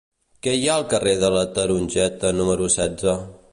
Què hi ha al carrer de la Tarongeta número setze?